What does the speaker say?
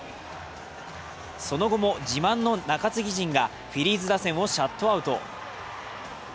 その後も自慢の中継ぎ陣がフィリーズ打線をシャットアウト。